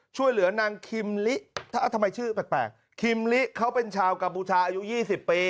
ช่วยเหลือนางคิมลิถ้าทำไมชื่อแปลกคิมลิเขาเป็นชาวกัมพูชาอายุ๒๐ปี